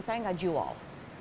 saya nggak jual